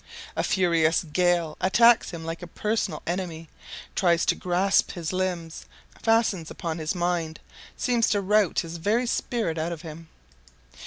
A furious gale attacks him like a personal enemy, tries to grasp his limbs, fastens upon his mind, seeks to rout his very spirit out of him.